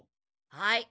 はい。